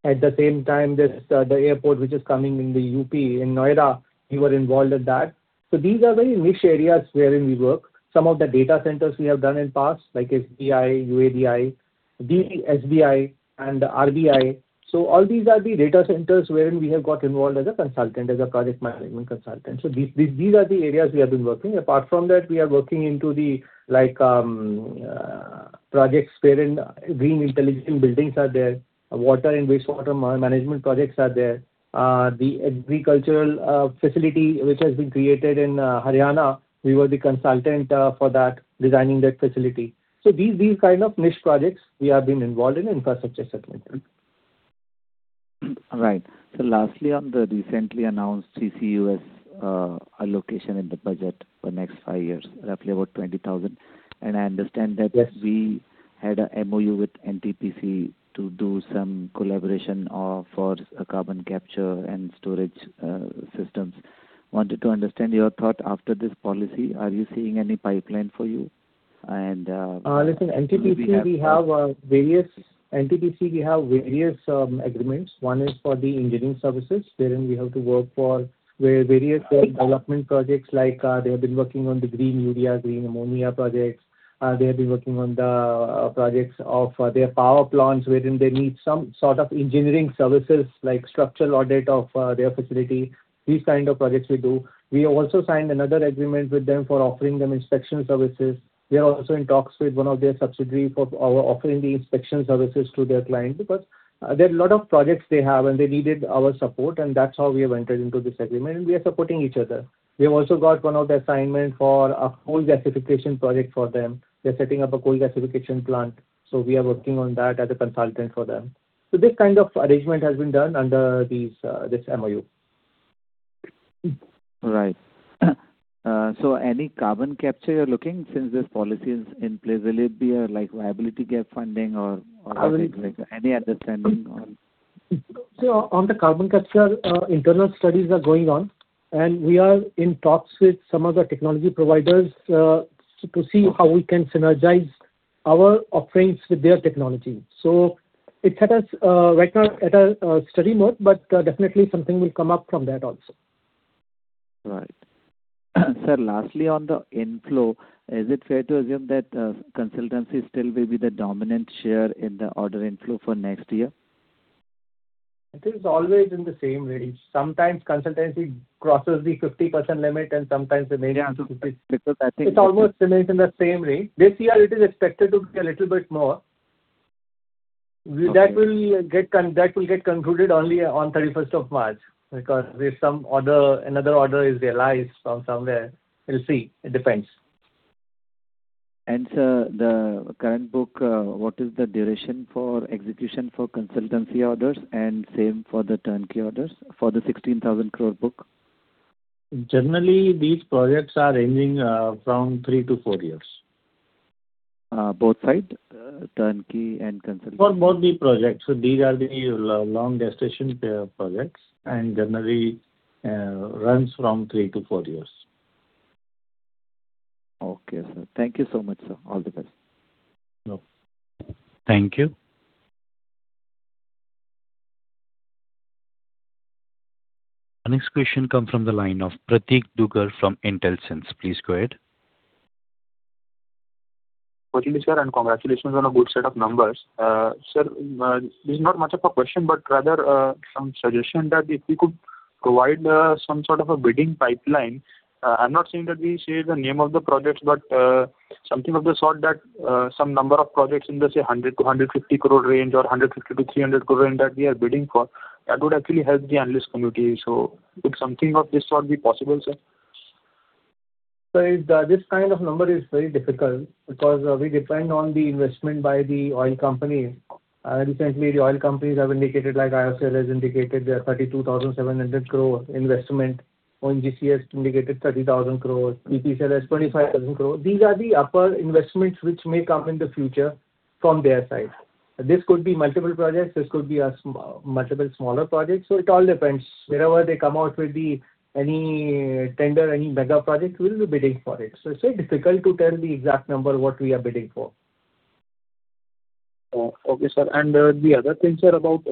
At the same time, there's the airport which is coming in the UP in Noida, we were involved in that. So these are very niche areas wherein we work. Some of the data centers we have done in past, like SBI, UIDAI, the SBI and the RBI. So all these are the data centers wherein we have got involved as a consultant, as a project management consultant. So these are the areas we have been working. Apart from that, we are working into the, like, projects wherein green intelligent buildings are there, water and wastewater management projects are there. The agricultural facility which has been created in Haryana, we were the consultant for that, designing that facility. So these kind of niche projects we have been involved in infrastructure segment. Right. So lastly, on the recently announced CCUS allocation in the budget for next five years, roughly about 20,000. And I understand that- Yes. We had a MOU with NTPC to do some collaboration, for a carbon capture and storage, systems. Wanted to understand your thought after this policy. Are you seeing any pipeline for you? And, Listen, NTPC, we have various agreements. One is for the engineering services, wherein we have to work for where various development projects like they have been working on the green urea, green ammonia projects. They have been working on the projects of their power plants, wherein they need some sort of engineering services, like structural audit of their facility. These kind of projects we do. We also signed another agreement with them for offering them inspection services. We are also in talks with one of their subsidiary for our offering the inspection services to their client, because there are a lot of projects they have, and they needed our support, and that's how we have entered into this agreement, and we are supporting each other. We have also got one of the assignment for a coal gasification project for them. They're setting up a coal gasification plant, so we are working on that as a consultant for them. So this kind of arrangement has been done under these, this MOU. Right. So any carbon capture you're looking, since this policy is in place, will it be a, like, liability gap funding or, or any other funding on? So on the carbon capture, internal studies are going on, and we are in talks with some of the technology providers to see how we can synergize our offerings with their technology. So it's right now at a study mode, but definitely something will come up from that also. Right. Sir, lastly, on the inflow, is it fair to assume that, consultancy still will be the dominant share in the order inflow for next year? It is always in the same range. Sometimes consultancy crosses the 50% limit, and sometimes it may down to 50. Because I think- It almost remains in the same range. This year, it is expected to be a little bit more. That will get concluded only on 31st of March, because if some order, another order is realized from somewhere, we'll see. It depends. Sir, the current book, what is the duration for execution for consultancy orders, and same for the turnkey orders, for the 16,000 crore book? Generally, these projects are ranging from 3-4 years. Both side, turnkey and consultancy? For both the projects. These are the long duration projects, and generally runs from 3-4 years. Okay, sir. Thank you so much, sir. All the best. Welcome. Thank you. Our next question come from the line of Prateek Dugar from Intelsense. Please go ahead. Good morning, sir, and congratulations on a good set of numbers. Sir, this is not much of a question, but rather, some suggestion that if you could provide, some sort of a bidding pipeline. I'm not saying that we say the name of the projects, but, something of the sort that, some number of projects in the, say, 100-150 crore range or 150-300 crore range that we are bidding for, that would actually help the analyst community. So would something of this sort be possible, sir? So this kind of number is very difficult because we depend on the investment by the oil company. And recently, the oil companies have indicated, like IOCL has indicated, their 32,700 crore investment. ONGC has indicated 30,000 crore. BP said it's 25,000 crore. These are the upper investments which may come in the future from their side. This could be multiple projects, this could be multiple smaller projects, so it all depends. Whenever they come out with any tender, any mega project, we'll be bidding for it. So it's very difficult to tell the exact number what we are bidding for. Okay, sir. The other things are about,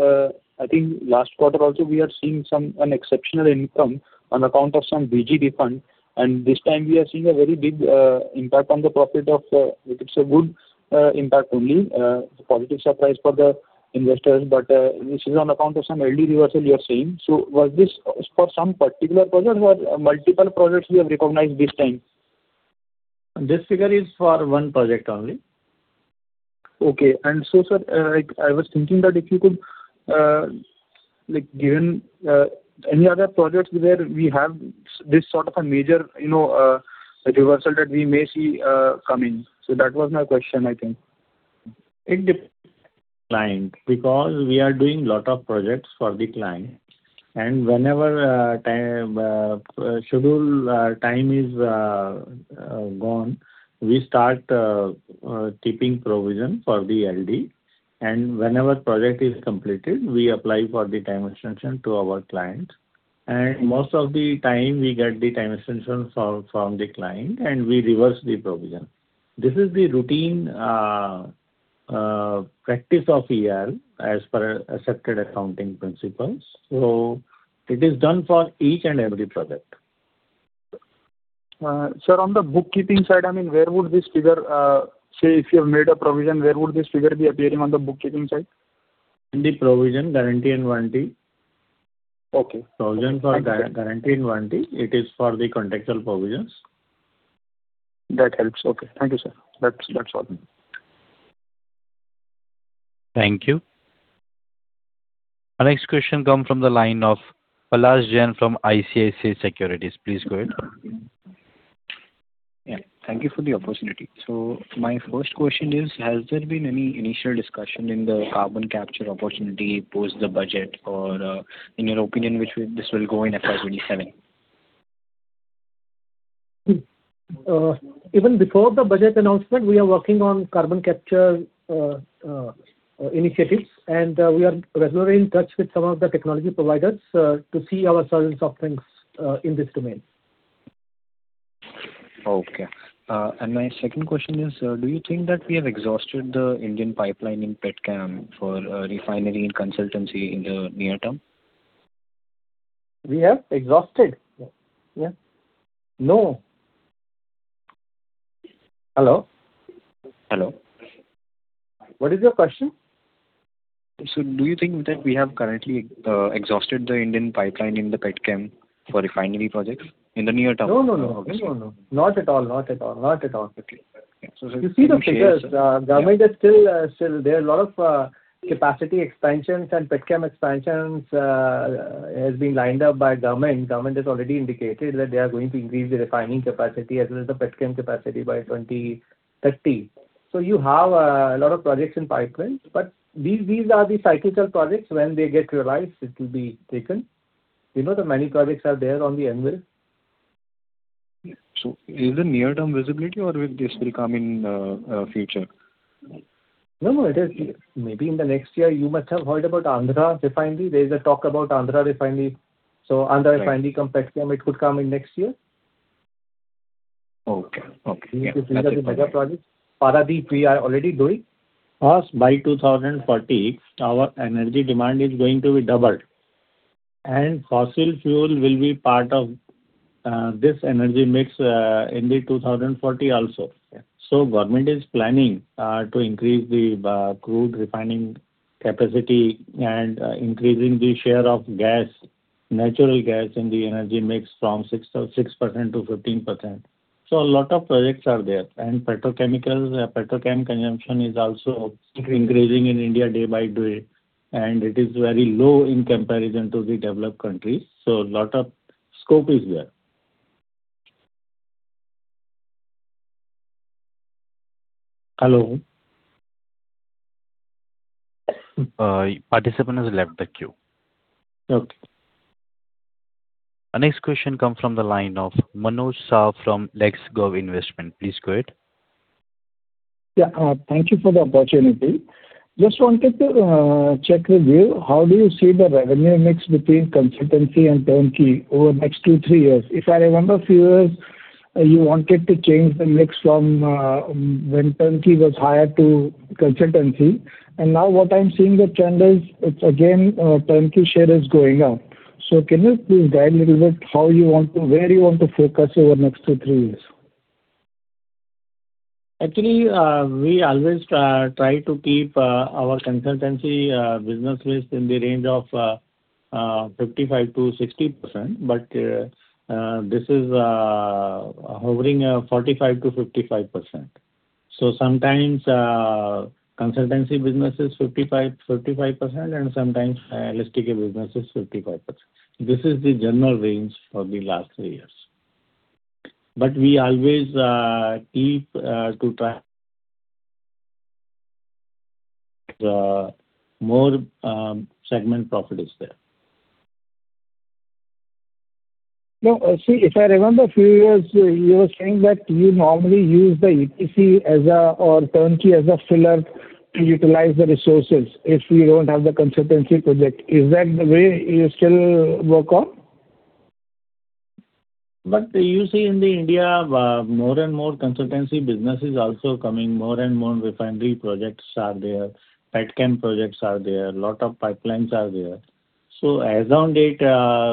I think last quarter also, we are seeing some, an exceptional income on account of some BG refund, and this time we are seeing a very big impact on the profit. It's a good impact only, positive surprise for the investors, but this is on account of some early reversal you are seeing. So was this for some particular project or multiple projects we have recognized this time? This figure is for one project only. Okay. And so, sir, like, I was thinking that if you could, like, given, any other projects where we have this sort of a major, you know, reversal that we may see, coming. So that was my question, I think. It depends client, because we are doing a lot of projects for the client, and whenever time schedule time is gone, we start keeping provision for the LD. And whenever project is completed, we apply for the time extension to our client, and most of the time we get the time extension from the client, and we reverse the provision. This is the routine practice of EIL as per accepted accounting principles. So it is done for each and every project. Sir, on the bookkeeping side, I mean, where would this figure, say, if you have made a provision, where would this figure be appearing on the bookkeeping side? In the provision, guarantee and warranty. Okay. Provision for guarantee and warranty, it is for the contractual provisions. That helps. Okay. Thank you, sir. That's, that's all. Thank you. Our next question comes from the line of Palak Jain from ICICI Securities. Please go ahead. Yeah. Thank you for the opportunity. So my first question is, has there been any initial discussion in the carbon capture opportunity post the budget, or, in your opinion, which way this will go in FY 2027? Even before the budget announcement, we are working on carbon capture initiatives, and we are regularly in touch with some of the technology providers to see our strengths and soft things in this domain. Okay. And my second question is, do you think that we have exhausted the Indian pipeline in petchem for refinery and consultancy in the near term? We have exhausted? Yeah. Yeah. No. Hello? Hello. What is your question? So do you think that we have currently exhausted the Indian pipeline in the petchem for refinery projects in the near term? No, no, no. No, no, not at all. Not at all. Not at all. Okay. You see the figures. Government is still, still there are a lot of capacity expansions and petchem expansions has been lined up by government. Government has already indicated that they are going to increase the refining capacity as well as the petchem capacity by 2030. So you have a lot of projects in pipeline, but these, these are the cyclical projects. When they get realized, it will be taken. You know, the many projects are there on the anvil. Is the near-term visibility or will this come in future? No, no, it is. Maybe in the next year, you must have heard about Andhra Refinery. There is a talk about Andhra Refinery. So Andhra Refinery come petchem, it could come in next year. Okay. Okay. These are the bigger projects. Paradip, we are already doing. Plus, by 2040, our energy demand is going to be doubled, and fossil fuel will be part of this energy mix in 2040 also. Yeah. So government is planning to increase the crude refining capacity and increasing the share of gas, natural gas in the energy mix from 6 to 6% to 15%. So a lot of projects are there, and petrochemicals, petchem consumption is also increasing in India day by day, and it is very low in comparison to the developed countries, so a lot of scope is there. Hello? Participant has left the queue. Okay. Our next question comes from the line of Manoj Shah from Lex Gov Investment. Please go ahead. Yeah, thank you for the opportunity. Just wanted to check with you, how do you see the revenue mix between consultancy and turnkey over the next two, three years? If I remember a few years, you wanted to change the mix from when turnkey was higher to consultancy, and now what I'm seeing the trend is, it's again turnkey share is going up. So can you please guide a little bit how you want to—where you want to focus over the next two, three years? Actually, we always try to keep our consultancy business mix in the range of 55%-60%, but this is hovering 45%-55%. So sometimes, consultancy business is 55%-45%, and sometimes, LSTK business is 55%. This is the general range for the last three years. But we always keep to try, the more segment profit is there. No, see, if I remember a few years, you were saying that you normally use the EPC as a, or turnkey as a filler to utilize the resources if you don't have the consultancy project. Is that the way you still work on? But you see, in India, more and more consultancy business is also coming. More and more refinery projects are there, pet chem projects are there, a lot of pipelines are there. So as on date,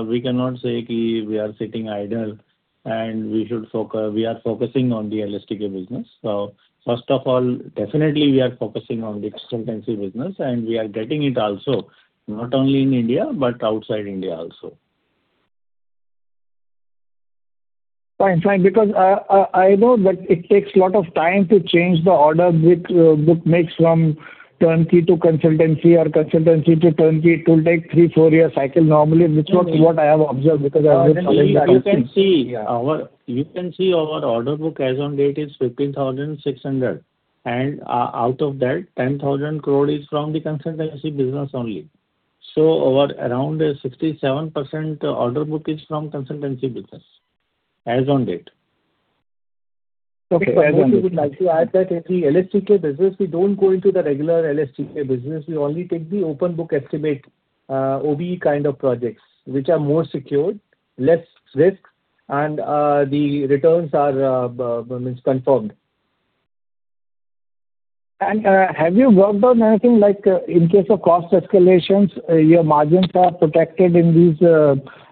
we cannot say we are sitting idle, and we should focus, we are focusing on the LSTK business. So first of all, definitely we are focusing on the consultancy business, and we are getting it also, not only in India, but outside India also. Fine, fine, because I know that it takes a lot of time to change the order which makes from turnkey to consultancy or consultancy to turnkey. It will take a 3-4-year cycle normally, which was what I have observed, because I was- You can see our order book as on date is 15,600 crore, and out of that, 10,000 crore is from the consultancy business only. So our around 67% order book is from consultancy business, as on date. Okay, as on date, we would like to add that in the LSTK business, we don't go into the regular LSTK business. We only take the open book estimate, OBE kind of projects, which are more secured, less risk, and, the returns are, means confirmed. Have you worked on anything like, in case of cost escalations, your margins are protected in these,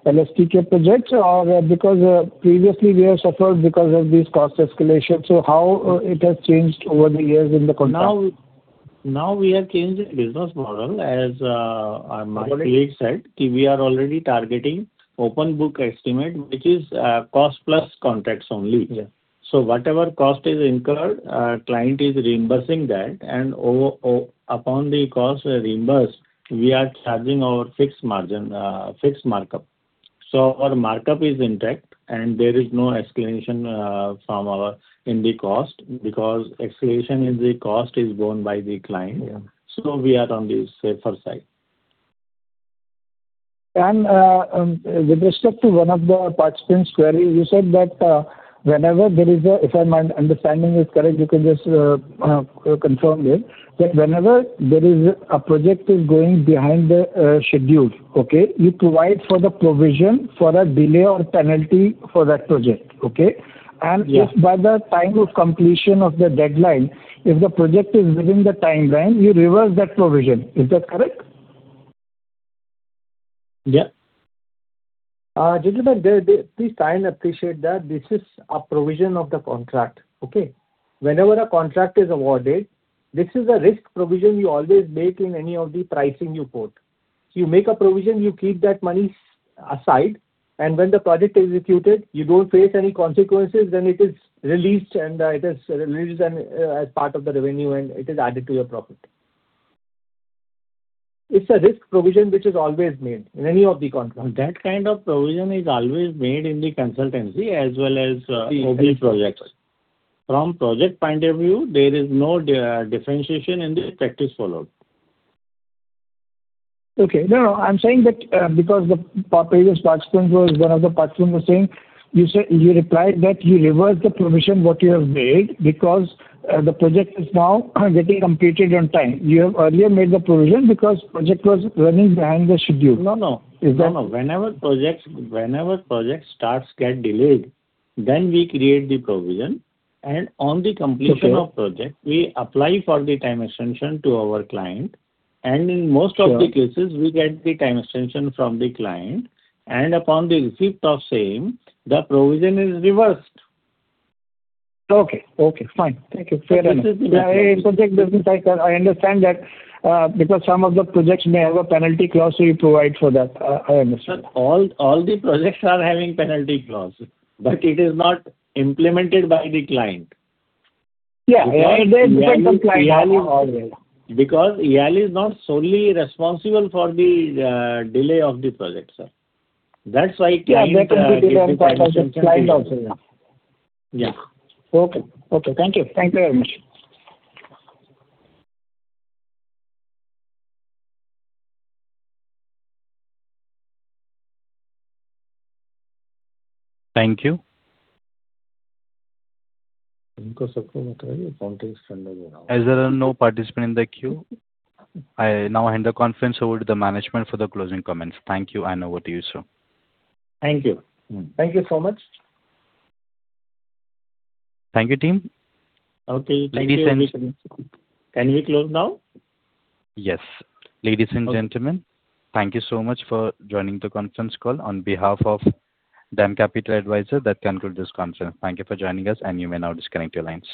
LSTK projects? Or because, previously we have suffered because of these cost escalations. So how, it has changed over the years in the contract? Now, now we have changed the business model, as our colleague said, we are already targeting Open Book Estimate, which is cost plus contracts only. Yeah. So whatever cost is incurred, client is reimbursing that, and upon the cost reimbursed, we are charging our fixed margin, fixed markup. So our markup is intact, and there is no escalation from our end in the cost, because escalation in the cost is borne by the client. Yeah. So we are on the safer side. With respect to one of the participant's query, you said that if my understanding is correct, you can just confirm it. That whenever there is a project is going behind the schedule, okay, you provide for the provision for a delay or penalty for that project, okay? Yeah. If by the time of completion of the deadline, if the project is within the timeline, you reverse that provision. Is that correct? Yeah. Gentleman, please, I appreciate that this is a provision of the contract, okay? Whenever a contract is awarded, this is a risk provision you always make in any of the pricing you put. You make a provision, you keep that money aside, and when the project is executed, you don't face any consequences, then it is released, and it is released as part of the revenue, and it is added to your profit. It's a risk provision which is always made in any of the contracts. That kind of provision is always made in the consultancy as well as OBE projects. From project point of view, there is no differentiation in the practice followed. Okay. No, no, I'm saying that, because the previous participant was, one of the participants was saying, you said, you replied that you reverse the provision what you have made, because the project is now getting completed on time. You have earlier made the provision because project was running behind the schedule. No, no. Is that- No, no. Whenever projects, whenever project starts get delayed, then we create the provision, and on the completion- Sure. -of project, we apply for the time extension to our client, and in most of the cases- Sure. We get the time extension from the client, and upon the receipt of same, the provision is reversed. Okay, okay, fine. Thank you. Fair enough. I understand that, because some of the projects may have a penalty clause, so you provide for that. I understand. All the projects are having penalty clause, but it is not implemented by the client. Yeah, and there is- Because EIL is not solely responsible for the delay of the project, sir. That's why client give the time extension. Client also, yeah. Yeah. Okay. Okay, thank you. Thank you very much. Thank you. As there are no participants in the queue, I now hand the conference over to the management for the closing comments. Thank you, and over to you, sir. Thank you. Mm-hmm. Thank you so much. Thank you, team. Okay, thank you. Ladies and- Can we close now? Yes. Ladies and gentlemen, thank you so much for joining the conference call. On behalf of DAM Capital Advisors, that concludes this conference. Thank you for joining us, and you may now disconnect your lines.